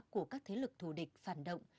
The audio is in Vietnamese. của các thế lực thù địch phản động